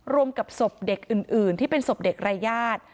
รวมกับศพเด็กอื่นที่เป็นศพเด็กรายญาติ